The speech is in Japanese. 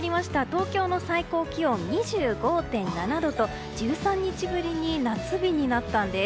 東京の最高気温は２５．７度と１３日ぶりに夏日になったんです。